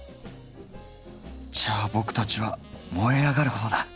じゃボクたちは燃え上がる方だ！